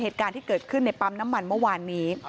เหตุการณ์ที่เกิดขึ้นในปั๊มน้ำมันเมื่อวานนี้